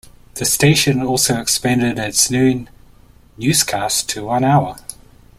The station also expanded its noon newscast to one hour.